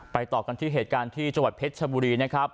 ต่อกันที่เหตุการณ์ที่จังหวัดเพชรชบุรีนะครับ